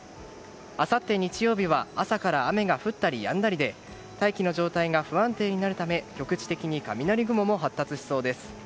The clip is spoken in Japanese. あさって日曜日は朝から雨が降ったりやんだりで大気の状態が不安定になるため局地的に雷雲も発達しそうです。